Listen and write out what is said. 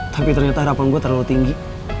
tapi ternyata harapan gue terlalu tinggi